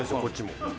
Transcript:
こっちも。